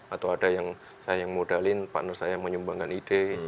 atau ada yang saya yang modalin partner saya menyumbangkan ide